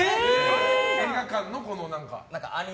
映画館の？